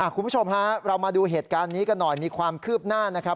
คุณผู้ชมฮะเรามาดูเหตุการณ์นี้กันหน่อยมีความคืบหน้านะครับ